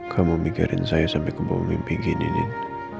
kamu mikirin saya sampai kebawah mimpi gini nin